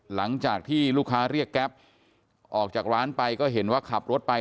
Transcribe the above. หลังจากที่ลูกค้าเรียกแก๊ปออกจากร้านไปก็เห็นว่าขับรถไป